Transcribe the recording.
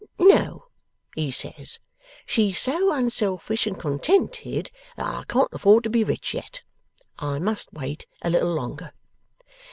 "No," he says, "she's so unselfish and contented, that I can't afford to be rich yet. I must wait a little longer."